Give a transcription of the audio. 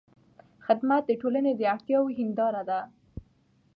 خدمت د ټولنې د اړتیاوو هنداره ده.